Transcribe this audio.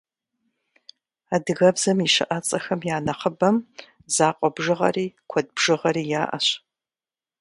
Адыгэбзэм и щыӏэцӏэхэм я нэхъыбэм закъуэ бжыгъэри, куэд бжыгъэри яӏэщ.